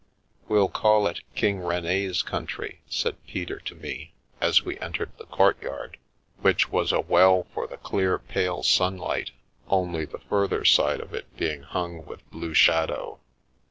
" We'll call it ' King Rene's Country/ " said Peter to me, as we entered the courtyard, which was a well for The Milky Way the clear, pale sunlight, only the further side of it being hung with blue shadow.